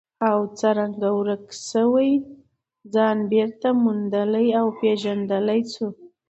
او څرنګه ورک شوی ځان بېرته موندلی او پېژندلی شو.